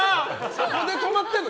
そこで止まってるの？